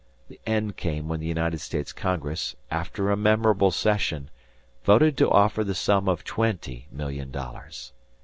The end came when the United States Congress, after a memorable session, voted to offer the sum of twenty million dollars.